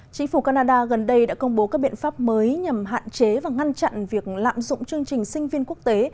chính phủ canada gần đây đã công bố các biện pháp mới nhằm hạn chế và ngăn chặn việc lạm dụng chương trình sinh viên quốc tế